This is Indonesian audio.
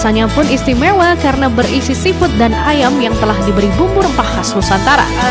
rasanya pun istimewa karena berisi seafood dan ayam yang telah diberi bumbu rempah khas nusantara